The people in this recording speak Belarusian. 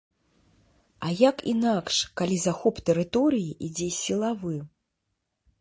А як інакш, калі захоп тэрыторыі ідзе сілавы.